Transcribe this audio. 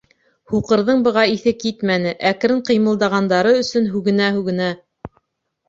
Һуҡырҙың быға иҫе китмәне, әкрен ҡыймылдағандары өсөн һүгенә-һүгенә: